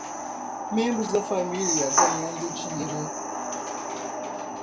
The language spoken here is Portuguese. Membros da família ganhando dinheiro